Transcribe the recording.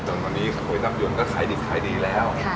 ตอนนนี้โหยทรัพยุมก็ขายดินขายดีแล้ว